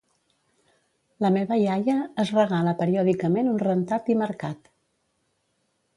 La meva iaia es regala periòdicament un rentat i marcat.